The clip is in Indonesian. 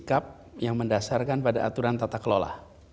sikap yang mendasarkan pada aturan tata kelola